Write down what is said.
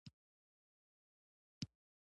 تفسیر بدرمنیر او بحر العلوم د دوست محمد خټک.